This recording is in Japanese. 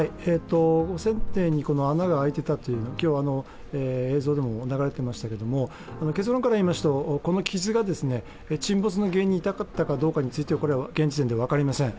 船底に穴が開いていたという、今日、映像でも流れていましたが結論から言いますとこの傷が、沈没の原因に至ったかは現時点では分かりません。